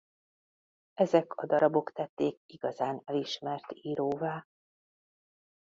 Ezek a darabok tették igazán elismert íróvá.